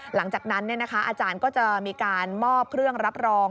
หลังจากนั้นอาจารย์ก็จะมีการมอบเครื่องรับรอง